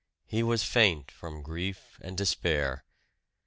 He was faint from grief and despair.